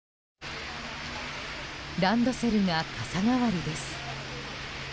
ランドセルが傘代わりです。